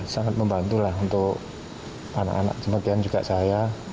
sangat membantu untuk anak anak jembatian juga saya